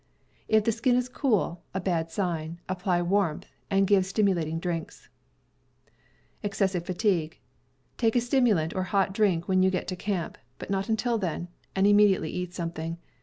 If the skin is cool (a bad sign) apply warmth, and give stimulating drinks. Take a stimulant or hot drink when you get to Excessive camp (but not until then), and im Fatigue. mediately eat something.